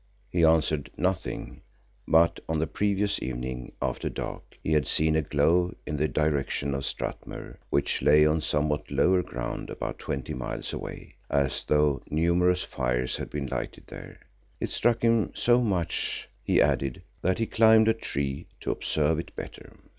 He answered nothing, but on the previous evening after dark, he had seen a glow in the direction of Strathmuir which lay on somewhat lower ground about twenty miles away, as though numerous fires had been lighted there. It struck him so much, he added, that he climbed a tree to observe it better.